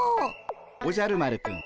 おじゃる丸くん